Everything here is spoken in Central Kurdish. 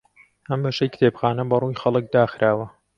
ئەم بەشەی کتێبخانە بەڕووی خەڵک داخراوە.